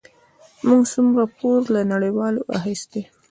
موږ څومره پور له نړیوالو اخیستی؟